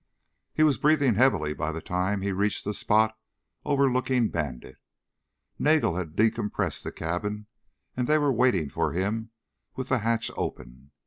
He was breathing heavily by the time he reached a spot overlooking Bandit. Nagel had decompressed the cabin and they were waiting for him with the hatch open.